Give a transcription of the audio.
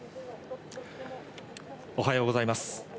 おはようございます。